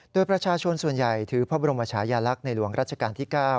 โดยประชาชนส่วนใหญ่ถือพระบรมชายาลักษณ์ในหลวงรัชกาลที่๙